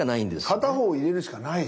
片方を入れるしかない。